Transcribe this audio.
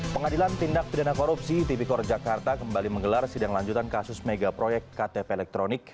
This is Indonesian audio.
pengadilan tindak tidak korupsi tipikor jakarta kembali menggelar sidang lanjutan kasus megaproyek ktp elektronik